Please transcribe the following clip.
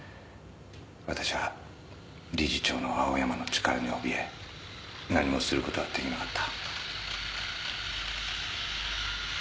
私は理事長の青山の力に怯え何もすることができなかった。